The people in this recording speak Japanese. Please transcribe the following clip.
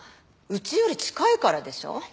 家より近いからでしょ。